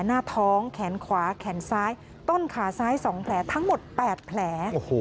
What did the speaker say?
หน้าท้องแขนขวาแขนซ้ายต้นขาซ้าย๒แผลทั้งหมด๘แผล